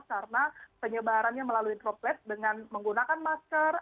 karena penyebarannya melalui droplet dengan menggunakan masker